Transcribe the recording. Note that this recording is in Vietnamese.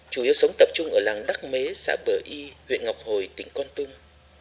chủ yếu sống tập trung ở làng đắc mế xã bờ y huyện ngọc hồi tỉnh quang tung